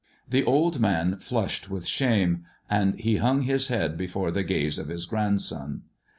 The old man flushed with shame, and he hung his head before the gaze of his grandson.